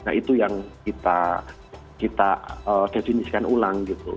nah itu yang kita definisikan ulang gitu